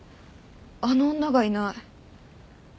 あの女がいない。